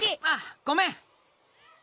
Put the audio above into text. ああごめん。